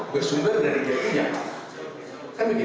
bersumber dari dia punya